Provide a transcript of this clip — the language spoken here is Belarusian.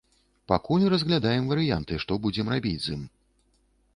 Пакуль разглядаем варыянты, што будзем рабіць з ім.